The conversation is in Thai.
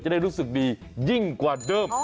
ได้รู้สึกดียิ่งกว่าเดิม